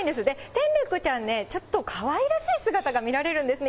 テンレックちゃんね、ちょっとかわいらしい姿が見られるんですね。